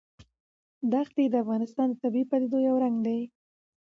دښتې د افغانستان د طبیعي پدیدو یو رنګ دی.